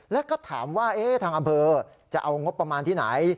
แล้วก็ถามว่าทางอำเภอจะเอางบประมาณที่ไหน